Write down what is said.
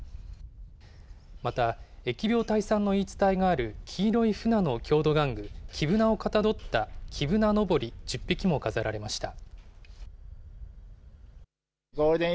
また、疫病退散の言い伝えがある黄色いフナの郷土玩具、きぶなをかたどった、きぶなのぼり１０匹も飾られました。